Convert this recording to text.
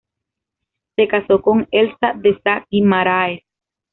Se casó con Elza de Sá Guimarães.